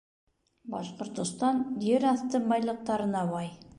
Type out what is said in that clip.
Башкортостан ер аҫты байлыҡтарына бай